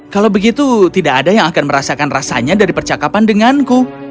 kalau begitu tidak ada yang akan merasakan rasanya dari percakapan denganku